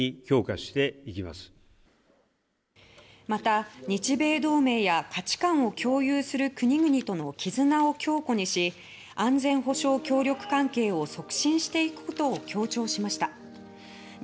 また、日米同盟や価値観を共有する国々との絆を強固にし安全保障協力関係を促進していくことを強調しました。